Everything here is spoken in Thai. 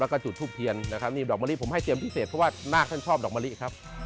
แล้วก็จุดทูปเทียนนะครับนี่ดอกมะลิผมให้เตรียมพิเศษเพราะว่านาคท่านชอบดอกมะลิครับ